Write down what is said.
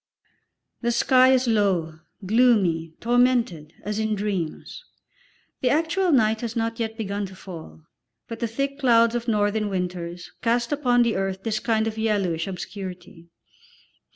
The sky is low, gloomy, tormented, as in dreams. The actual night has not yet begun to fall, but the thick clouds of northern winters cast upon the earth this kind of yellowish obscurity.